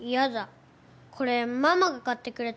これママが買ってくれたゲーム。